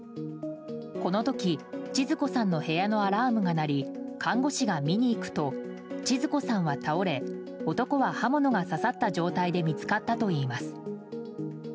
この時、ちづ子さんの部屋のアラームが鳴り看護師が見に行くとちづ子さんは倒れ男は刃物が刺さった状態で見つかったといいます。